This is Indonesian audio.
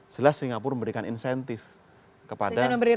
jelas singapura memberikan insentif kepada mereka